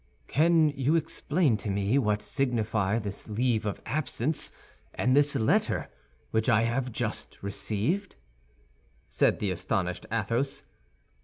"Can you explain to me what signify this leave of absence and this letter, which I have just received?" said the astonished Athos.